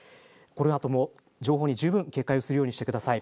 このあとも情報に十分警戒するようにしてください。